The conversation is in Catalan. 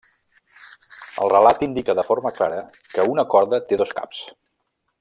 El relat indica de forma clara que una corda té dos caps.